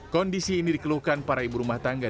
kondisi ini dikeluhkan para ibu rumah tangga